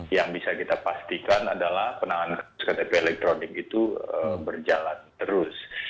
yang bisa kita pastikan adalah penanganan sktp elektronik itu berjalan terus